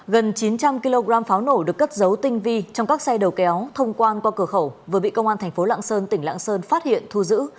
gần chín trăm linh kg pháo nổ được cất dấu tinh vi trong các xe đầu kéo thông quan qua cửa khẩu vừa bị công an thành phố lạng sơn tỉnh lạng sơn phát hiện thu giữ